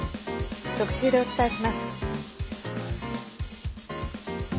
特集でお伝えします。